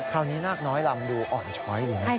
คราวนี้หน้ากน้อยรำดูอ่อนช้อยดีนะ